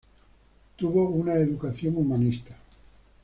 Tuvo una educación humanista.